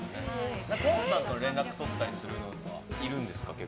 コンスタントに連絡とったりする人はいるんですか。